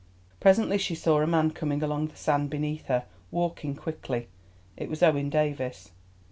Presently she saw a man coming along the sand beneath her, walking quickly. It was Owen Davies.